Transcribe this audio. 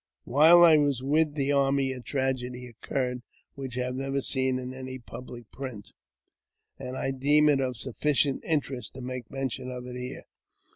While I was with the army a tragedy occurred, which I have never seen in any public print, and I deem it of sufficient interest to make mention of it here.